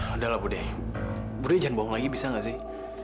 udah lah buddha buddha jangan bohong lagi bisa gak sih